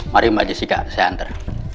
mari mbak jessica saya anter